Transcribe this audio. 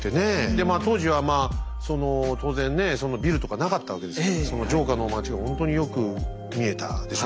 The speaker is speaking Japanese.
でまあ当時はまあ当然ねそのビルとかなかったわけですからその城下の町がほんとによく見えたでしょうしね。